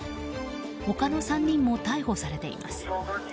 他の３人も逮捕されています。